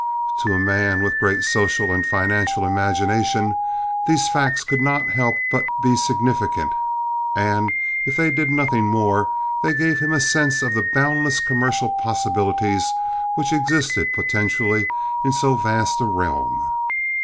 To a man with great social and financial imagination, these facts could not help but be significant; and if they did nothing more, they gave him a sense of the boundless commercial possibilities which existed potentially in so vast a realm.